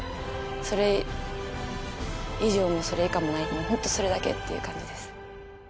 それ以上もそれ以下もない、本当にそれだけという感じです。